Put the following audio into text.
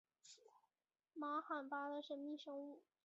玛罕巴的神秘生物。